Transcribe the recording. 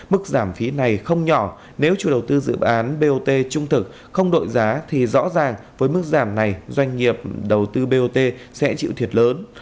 mức giảm phí này không nhỏ nếu chủ đầu tư dự án bot trung thực không đội giá thì rõ ràng với mức giảm này doanh nghiệp đầu tư bot sẽ chịu thiệt lớn